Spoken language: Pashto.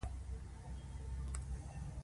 د کلام علم په اسلامي تمدن کې خپل ځای پیدا کړ.